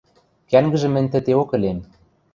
Кӓнгӹжӹм мӹнь тӹтеок ӹлем.